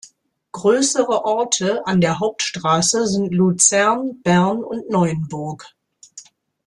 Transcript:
Grössere Orte an der Hauptstrasse sind Luzern, Bern und Neuenburg.